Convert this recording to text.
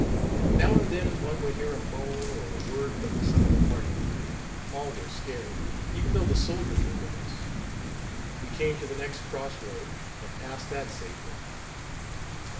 Now and then one would hear a moan or a word from some of the party. All were scared, even though the soldiers were with us. We came to the next cross road, and passed that safely.